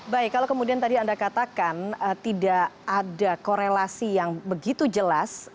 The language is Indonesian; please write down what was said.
baik kalau kemudian tadi anda katakan tidak ada korelasi yang begitu jelas